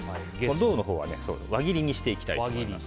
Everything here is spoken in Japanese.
胴のほうは輪切りにしていきたいと思います。